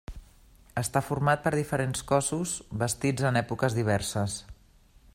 Està format per diferents cossos, bastits en èpoques diverses.